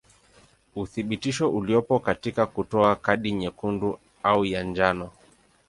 Uthibitisho uliopo katika kutoa kadi nyekundu au ya njano.